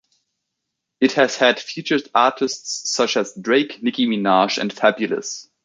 It has had featured artists such as Drake, Nicki Minaj and Fabolous.